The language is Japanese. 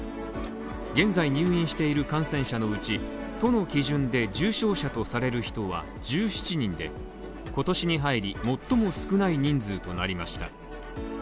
現在入院している感染者のうち都の基準で重症者とされる人は１７人で今年に入り、最も少ない人数となりました。